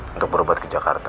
untuk berobat ke jakarta